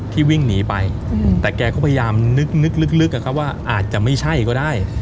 วิ่งหนีไปแต่แกก็พยายามนึกว่าอาจจะไม่ใช่ก็ได้